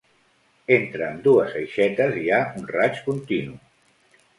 Entre ambdues aixetes hi ha un raig continu.